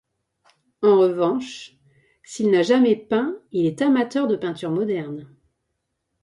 En revanche, s'il n'a jamais peint, il est amateur de peinture moderne.